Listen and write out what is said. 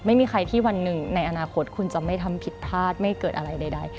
ไม่มีใครที่วันหนึ่งในอนาคตคุณจะไม่ทำผิดพลาดไม่เกิดอะไรใด